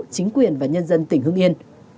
chính quyền và nhân dân tỉnh hương yên